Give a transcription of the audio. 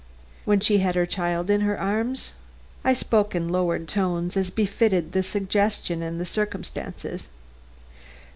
"When she had her child in her arms." I spoke in lowered tones as befitted the suggestion and the circumstances.